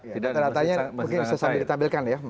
tidak ada masalah